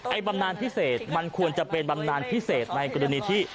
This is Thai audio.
บำนานพิเศษมันควรจะเป็นบำนานพิเศษในกรณีที่